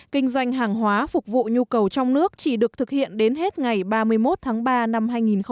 kinh doanh hàng hóa phục vụ nhu cầu trong nước chỉ được thực hiện đến hết ngày ba mươi một tháng ba năm hai nghìn hai mươi